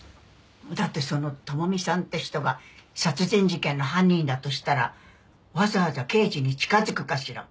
だってその朋美さんって人が殺人事件の犯人だとしたらわざわざ刑事に近づくかしら？